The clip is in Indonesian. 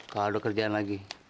kalau ada kerjaan lagi